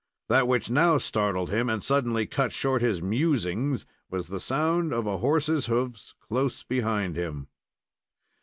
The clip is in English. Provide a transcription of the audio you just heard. That which now startled him and suddenly cut short his musings was the sound of a horse's hoofs, close behind him.